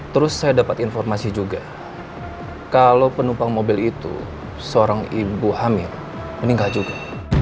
terus saya dapat informasi juga kalau penumpang mobil itu seorang ibu hamil meninggal juga